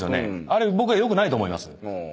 あれ僕はよくないと思います。